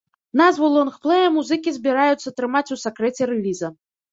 Назву лонгплэя музыкі збіраюцца трымаць у сакрэце рэліза.